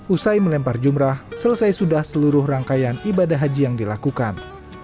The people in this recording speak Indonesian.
usai melempar jumrah selesai sudah seluruh rangkaian ibadah haji yang dilakukan